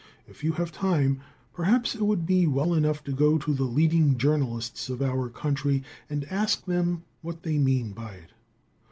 If you have time, perhaps it would be well enough to go to the leading journalists of our country and ask them what they mean by it.